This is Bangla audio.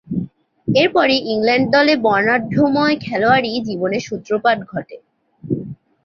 এরপরই ইংল্যান্ড দলে বর্ণাঢ্যময় খেলোয়াড়ী জীবনের সূত্রপাত ঘটে।